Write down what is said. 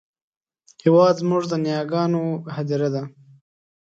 هېواد زموږ د نیاګانو هدیره ده